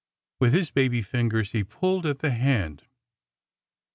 With his baby fingers he pulled at the hand.